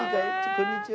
こんにちは。